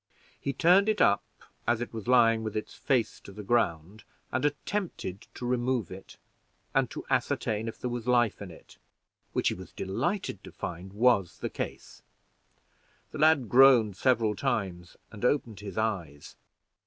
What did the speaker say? He turned it up as it was lying with its face to the ground, and attempted to remove it, and to ascertain if there was life in it, which he was delighted to find was the case. The lad groaned several times, and opened his eyes.